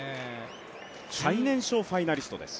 最年少ファイナリストです。